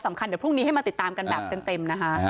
เดี๋ยวพรุ่งนี้ให้มาติดตามกันแบบเต็มนะคะ